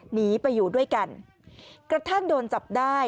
หนีไปอยู่ด้วยกันกระทั่งโดนจับได้